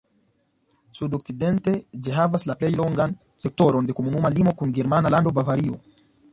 Sudokcidente ĝi havas la plej longan sektoron de komuna limo kun germana lando Bavario.